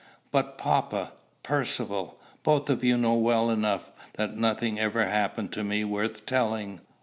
"But papa, Percivale, both of you know well enough that nothing ever happened to me worth telling."